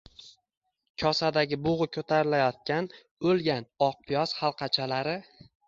Kosadagi bugʼi koʼtarilayotgan, «oʼlgan» oq piyoz halqachalari